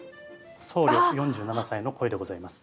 僧侶４７歳の声でございます。